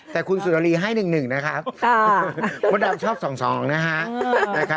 แต่คุณสุนรีให้หนึ่งหนึ่งนะคะอ่าอันนี้ชอบสองสองนะคะนะคะ